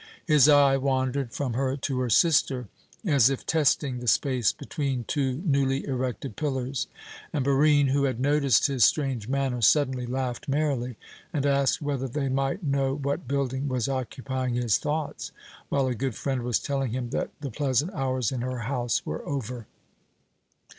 His eye wandered from her to her sister, as if testing the space between two newly erected pillars; and Barine, who had noticed his strange manner, suddenly laughed merrily, and asked whether they might know what building was occupying his thoughts, while a good friend was telling him that the pleasant hours in her house were over.